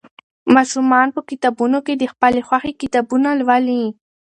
ماشومان په کتابتونونو کې د خپلې خوښې کتابونه لولي.